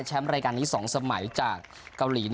แชมป์รายการที่๒สมัยจากเกาหลี